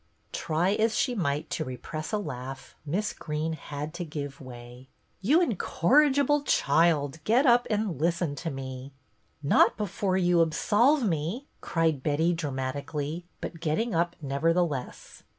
Try as she might to repress a laugh. Miss Greene had to give way. " You incorrigible child, get up and listen to me." " Not before you absolve me," cried Betty, dramatically, but getting up nevertheless.